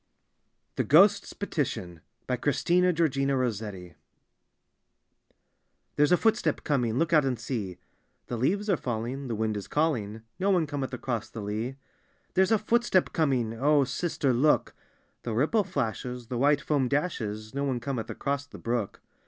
THE GHOST'S PETITION : Christina georgina ROSSETTI " There's a footstep coming; look out and see." — "The leaves are falling, the wind is calling; No one cometh across the lea." — "There's a footstep coming; O sister, look," — "The ripple flashes, the jvhite foam dashes; No one cometh across the brook."